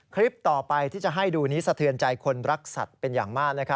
คลิปต่อไปที่จะให้ดูนี้สะเทือนใจคนรักสัตว์เป็นอย่างมาก